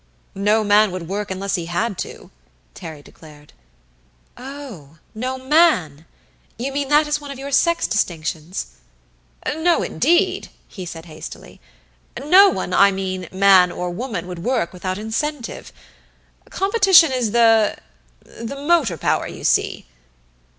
"No man would work unless he had to," Terry declared. "Oh, no man! You mean that is one of your sex distinctions?" "No, indeed!" he said hastily. "No one, I mean, man or woman, would work without incentive. Competition is the the motor power, you see."